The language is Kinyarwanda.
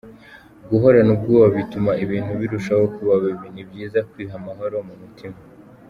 Guhorana ubwoba bituma ibintu birushaho kuba bibi, ni byiza kwiha amahoro mu mutima.